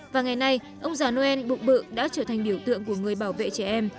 và ngày nay ông già noel bụng bự đã trở thành biểu tượng của người bảo vệ trẻ em